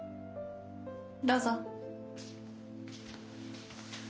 どうぞ。